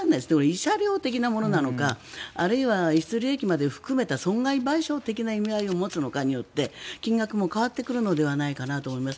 慰謝料的なものなのかあるいは逸失利益までも含めた損害賠償的な意味も含めるのかで金額も変わってくるのではないかなと思います。